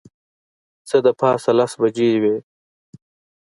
څه د پاسه لس بجې وې.